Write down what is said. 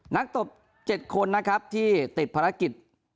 นักตบ๗คนที่ติดภารกิจ